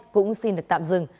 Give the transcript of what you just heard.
cũng xin được tạm dừng